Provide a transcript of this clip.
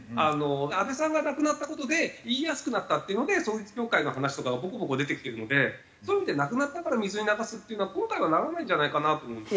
安倍さんが亡くなった事で言いやすくなったっていうので統一教会の話とかがボコボコ出てきてるのでそういう意味で亡くなったから水に流すっていうのは今回はならないんじゃないかなと思うんですよ。